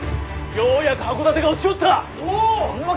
ようやく箱館が落ちよったぁ！